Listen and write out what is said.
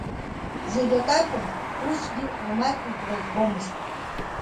Зегьакакәын, усгьы уамак игәра згомызт.